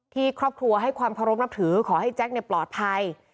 ที่ครอบครัวให้ความเคารพนับถือขอให้แจ๊คปลอดภัย